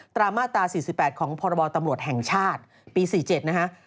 มาตรา๔๘ของพรบตำรวจแห่งชาติปี๔๗นะฮะ